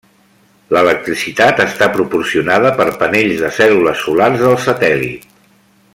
L'electricitat està proporcionada per panells de cèl·lules solars del satèl·lit.